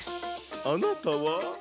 あなたは？